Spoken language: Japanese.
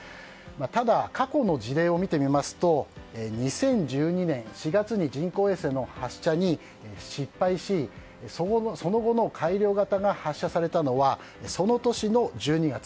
ただ、過去の事例を見てみますと２０１２年４月に人工衛星の発射に失敗しその後、改良型が発射されたのはその年の１２月。